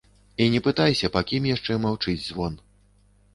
І не пытайся, па кім яшчэ маўчыць звон.